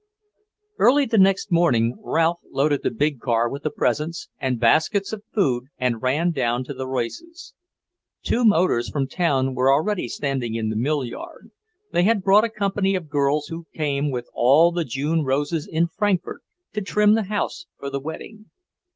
Early the next morning Ralph loaded the big car with the presents and baskets of food and ran down to the Royces'. Two motors from town were already standing in the mill yard; they had brought a company of girls who came with all the June roses in Frankfort to trim the house for the wedding.